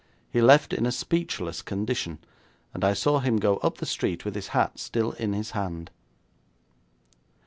He left in a speechless condition, and I saw him go up the street with his hat still in his hand.